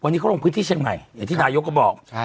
วันนี้เขาลงพื้นที่เชียงใหม่อย่างที่นายกก็บอก